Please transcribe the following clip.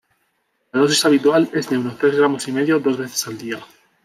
La dosis habitual es de unos tres gramos y medio dos veces al día.